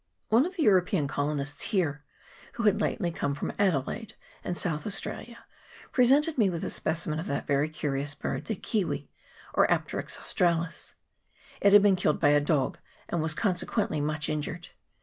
230 THE KIWI KIWI ; [PART n One of the European colonists here, who had lately come from Adelaide in South Australia, pre sented me with a specimen of that very curious bird the kiwi, or Apterix australis : it had been killed by a dog, and was consequently much injured.